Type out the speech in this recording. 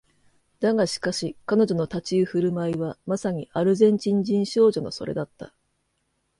だがしかし彼女の立ち居振る舞いはまさにアルゼンチン人少女のそれだった